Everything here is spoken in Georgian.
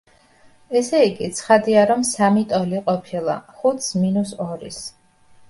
ესე იგი, ცხადია, რომ სამი ტოლი ყოფილა — ხუთს მინუს ორის.